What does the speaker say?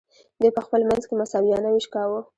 دوی په خپل منځ کې مساویانه ویش کاوه.